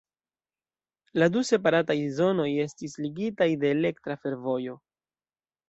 La du separataj zonoj estis ligitaj de elektra fervojo.